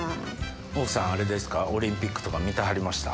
奥さんあれですかオリンピックとか見てはりました？